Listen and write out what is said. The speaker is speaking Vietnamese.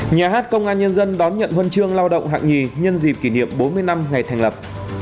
nhà hát công an nhân dân đón nhận huân chương lao động hạng nhì nhân dịp kỷ niệm bốn mươi năm ngày thành lập